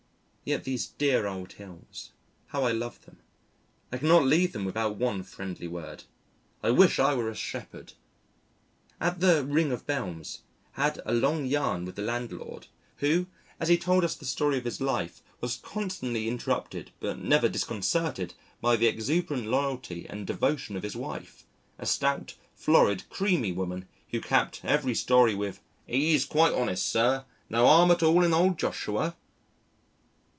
Yet these dear old hills. How I love them. I cannot leave them without one friendly word. I wish I were a shepherd! At the "Ring of Bells" had a long yarn with the landlord, who, as he told us the story of his life, was constantly interrupted but never disconcerted by the exuberant loyalty and devotion of his wife a stout, florid, creamy woman, who capped every story with: "Ees quite honest, sir; no 'arm at all in old Joshua."